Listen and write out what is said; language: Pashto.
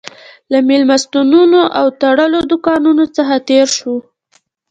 له مېلمستونونو او تړلو دوکانونو څخه تېر شوو.